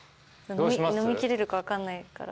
飲みきれるか分かんないから。